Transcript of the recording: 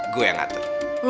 gua yang atur